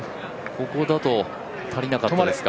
ここだと足りなかったですか。